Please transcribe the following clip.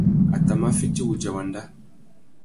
A tà mà fiti wudja wanda.